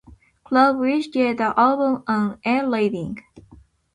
Club, which gave the album an A- rating.